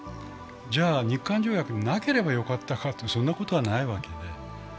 じゃ日韓条約がなければよかったかと、そんなことはないわけで。